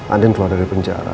andin keluar dari penjara